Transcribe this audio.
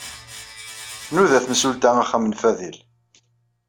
Tnuda temsulta axxam n Fadil.